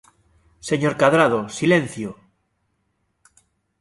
¡Señor Cadrado, silencio!